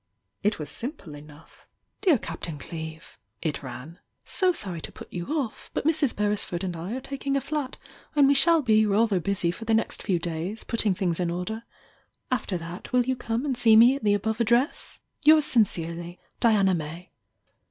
It was simple enough. 846 THE YOUNG DIANA "Deab Captain Clfeve" (it ran), "So sorry to put you off, but Mrs. Beresford and I are taking a flat and we shall be rather busy for the next few days, putting things in order. After that will you come and see me at the above address? "Yours sincerely, "Diana May."